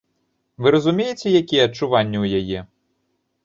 Вы разумееце, якія адчуванні ў яе?